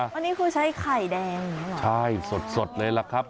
อันนี้คือใช้ไข่แดงใช่สดเลยล่ะครับ